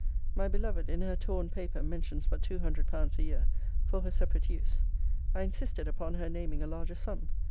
My beloved, in her torn paper, mentions but two hundred pounds a year, for her separate use. I insisted upon her naming a larger sum.